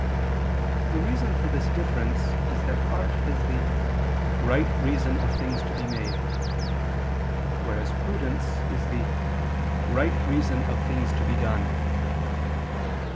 The reason for this difference is that art is the "right reason of things to be made"; whereas prudence is the "right reason of things to be done."